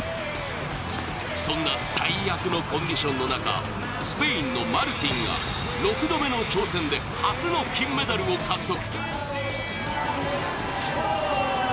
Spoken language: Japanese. そんな最悪のコンディションの中、スペインのマルティンが６度目の挑戦で初の金メダルを獲得。